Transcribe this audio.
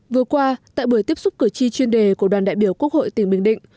vừa qua tại buổi tiếp xúc cử tri chuyên đề của đoàn đại biểu quốc hội tỉnh bình định